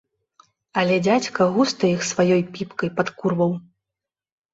Але дзядзька густа іх сваёй піпкай падкурваў.